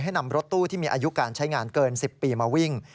นำรถตู้ที่มีอายุการใช้งานเกิน๑๐ปีมาวิ่ง